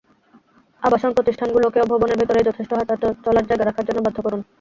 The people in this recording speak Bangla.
আবাসন প্রতিষ্ঠানগুলোকেও ভবনের ভেতরই যথেষ্ট হাঁটাচলার জায়গা রাখার জন্য বাধ্য করুন।